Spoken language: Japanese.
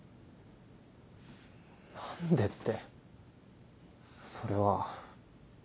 何でってそれは。